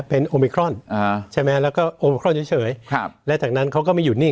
เป็นโอมิครอนอ่าใช่ไหมแล้วก็โอมิครอนเฉยครับและจากนั้นเขาก็ไม่หยุดนิ่ง